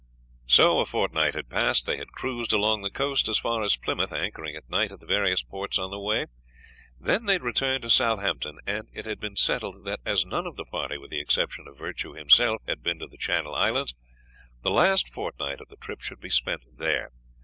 So a fortnight had passed; they had cruised along the coast as far as Plymouth, anchoring at night at the various ports on the way. Then they had returned to Southampton, and it had been settled that as none of the party, with the exception of Virtue himself, had been to the Channel Islands, the last fortnight of the trip should be spent there.